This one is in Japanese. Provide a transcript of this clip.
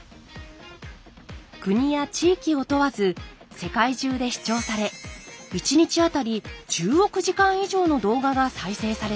国や地域を問わず世界中で視聴され１日あたり１０億時間以上の動画が再生されています。